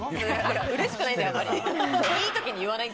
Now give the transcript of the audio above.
うれしくないんだよ、あんま